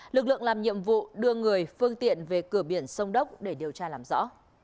lực lượng làm nhiệm vụ đưa người phương tiện về cửa biển sông đốc để điều tra làm rõ